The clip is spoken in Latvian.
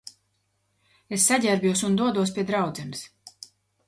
Es saģērbjos un dodos pie draudzenes.